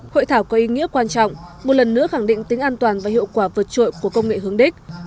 hội thảo có ý nghĩa quan trọng một lần nữa khẳng định tính an toàn và hiệu quả vượt trội của công nghệ hướng đích